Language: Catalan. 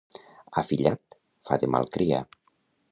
Afillat fa de mal criar.